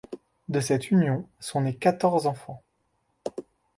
De cette union sont nés quatorze enfants.